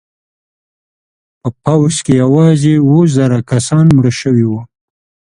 په پوځ کې یوازې اوه زره کسان مړه شوي وو.